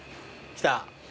来た。